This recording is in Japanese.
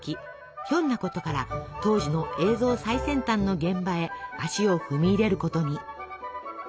ひょんなことから当時の映像最先端の現場へ足を踏み入れることに。